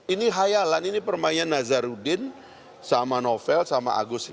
ini hayalan ini permainan nazarudin sama novel sama agus